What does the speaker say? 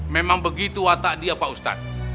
memang begitu watak dia pak ustadz